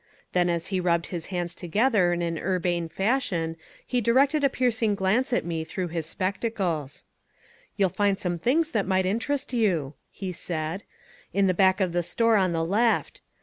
Then as he rubbed his hands together in an urbane fashion he directed a piercing glance at me through his spectacles. "You'll find some things that might interest you," he said, "in the back of the store on the left.